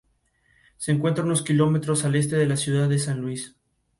Perro no come perro